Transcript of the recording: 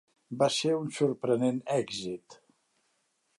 Va ser un sorprenent èxit.